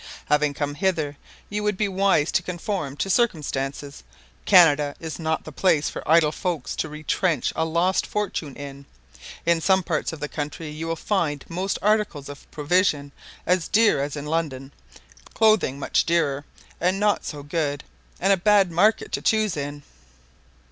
"Having come hither you would be wise to conform to circumstances. Canada is not the place for idle folks to retrench a lost fortune in. In some parts of the country you will find most articles of provision as dear as in London, clothing much dearer, and not so good, and a bad market to choose in."